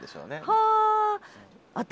はあ。